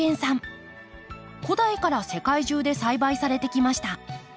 古代から世界中で栽培されてきました。